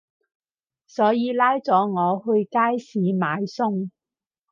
所以拉咗我去街市買餸